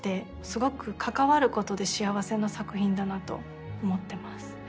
すごく関わることで幸せな作品だなと思ってます。